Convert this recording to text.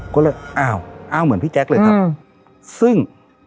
ก็เลยอ้าวอ้าวเหมือนพี่แจ๊คเลยครับซึ่ง